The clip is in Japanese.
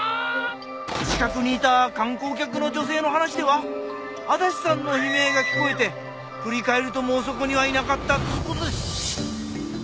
近くにいた観光客の女性の話では足立さんの悲鳴が聞こえて振り返るともうそこにはいなかったっつう事です。